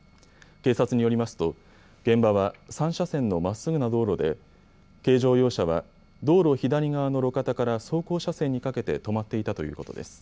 警察によりますと現場は３車線のまっすぐな道路で軽乗用車は道路左側の路肩から走行車線にかけて止まっていたということです。